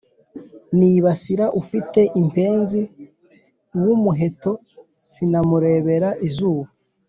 Nibasira ufite impenzi uw’umuheto sinamurebera izuba